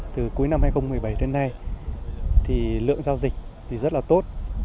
từ cuối năm hai nghìn một mươi bảy đến nay thì lượng giao dịch thì rất là tốt